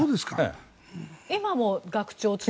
今も学長を。